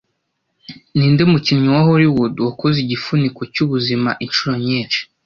Ninde mukinnyi wa Hollywood wakoze igifuniko cyubuzima inshuro nyinshi